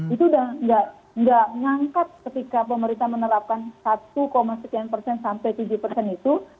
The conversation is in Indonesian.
itu udah nggak nggak nggak mengangkat ketika pemerintah menerapkan satu seken persen sampai tujuh itu